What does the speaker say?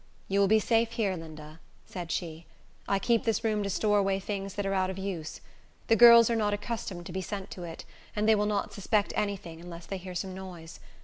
"You will be safe here, Linda," said she; "I keep this room to store away things that are out of use. The girls are not accustomed to be sent to it, and they will not suspect any thing unless they hear some noise.